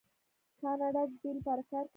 کاناډا د دې لپاره کار کوي.